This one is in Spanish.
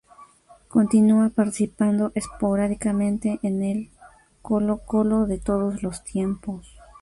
Continúa participando esporádicamente en el "Colo-Colo de todos los tiempos".